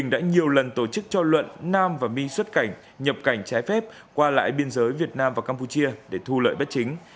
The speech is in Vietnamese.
đã nhiều lần tổ chức cho luận nam và my xuất cảnh nhập cảnh trái phép qua lại biên giới việt nam và campuchia để thu lợi bất chính